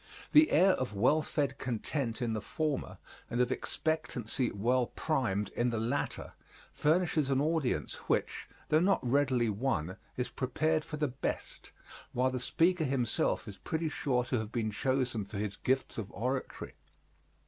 The air of well fed content in the former, and of expectancy well primed in the latter, furnishes an audience which, though not readily won, is prepared for the best, while the speaker himself is pretty sure to have been chosen for his gifts of oratory.